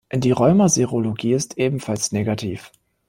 Die Rheuma-Serologie ist ebenfalls negativ.